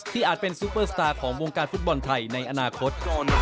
อาจเป็นซูเปอร์สตาร์ของวงการฟุตบอลไทยในอนาคต